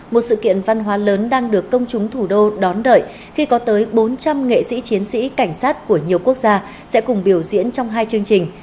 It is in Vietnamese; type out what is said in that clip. một sự kiện văn hóa lớn đang được công chúng thủ đô đón đợi khi có tới bốn trăm linh nghệ sĩ chiến sĩ cảnh sát của nhiều quốc gia sẽ cùng biểu diễn trong hai chương trình